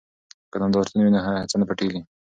که نندارتون وي نو هڅه نه پټیږي.